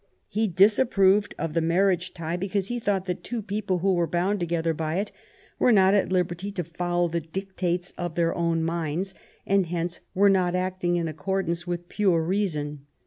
He disapproved of the marriage tie because he thought that two people who are bound together by it are not at liberty to follow the dictates of their own minds, and hence are not acting in accordance with pure reason.